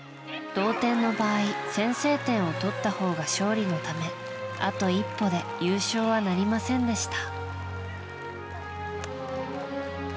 同点の場合、先制点を取ったほうが勝利のためあと一歩で優勝はなりませんでした。